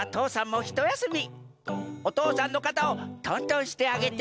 おとうさんのかたをとんとんしてあげて。